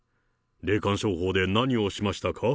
霊感商法で何をしましたか。